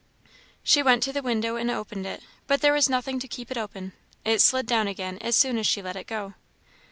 She went to the window and opened it, but there was nothing to keep it open; it slid down again as soon as she let it go.